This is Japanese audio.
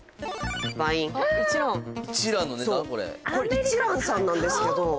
一蘭さんなんですけど。